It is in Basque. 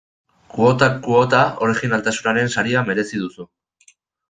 Kuotak kuota, orijinaltasunaren saria merezi duzu.